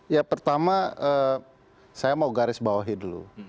ya pertama saya mau garis bawahi dulu